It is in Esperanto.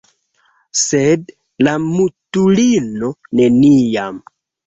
Sed la mutulino neniam